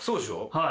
はい。